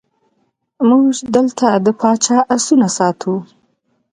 موږ دلته د پاچا آسونه ساتو.